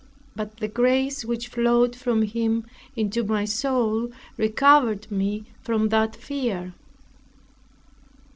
But the grace, which flowed from Him into my soul, recovered me from that fear.